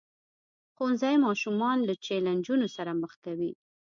ښوونځی ماشومان له چیلنجونو سره مخ کوي.